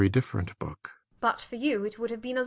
But for you it would have been a longer one.